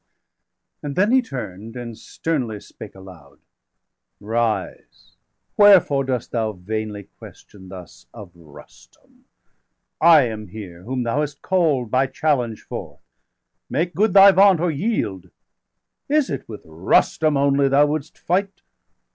And then he turn'd, and sternly spake aloud: "Rise! wherefore dost thou vainly question thus 365 Of Rustum? I am here, whom thou hast call'd By challenge forth; make good thy vaunt,° or yield! °367 Is it with Rustum only thou wouldst fight?